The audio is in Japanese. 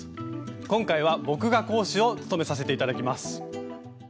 今回は僕が講師を務めさせて頂きます。